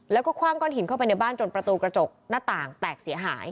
แล้วก็คว่างก้อนหินเข้าไปในบ้านจนประตูกระจกหน้าต่างแตกเสียหาย